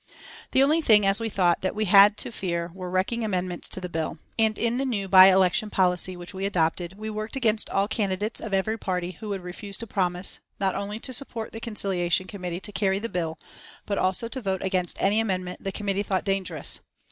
The only thing, as we thought, that we had to fear were wrecking amendments to the bill, and in the new by election policy which we adopted we worked against all candidates of every party who would refuse to promise, not only to support the Conciliation Committee to carry the bill, but also to vote against any amendment the committee thought dangerous.